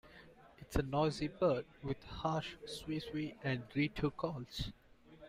It is a noisy bird, with harsh "swee-swee" and "dreee-too" calls.